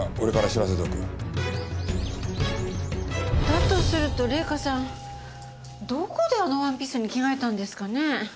だとすると玲香さんどこであのワンピースに着替えたんですかね？